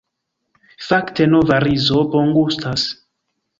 Fakte nova rizo bongustas.